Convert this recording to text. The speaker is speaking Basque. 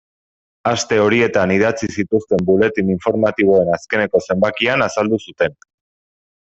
Aste horietan idatzi zituzten buletin informatiboen azkeneko zenbakian azaldu zuten.